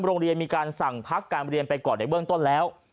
โรงเรียนมีการสั่งพักการเรียนไปก่อนในเบื้องต้นแล้ว